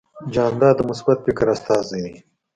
جانداد د مثبت فکر استازی دی.